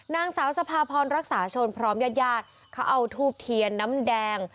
นางสาวสภาพรรักษาชนพร้อมญาติญาติเขาเอาทูบเทียนน้ำแดง